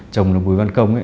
chồng là bùi văn công